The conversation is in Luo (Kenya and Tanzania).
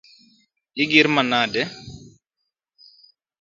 Igir manade?